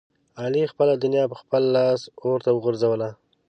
علي خپله دنیا په خپل لاس اورته وغورځوله.